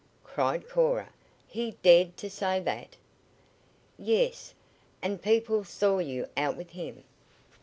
cried Cora. "He dared to say that?" "Yes; and people saw you out with him."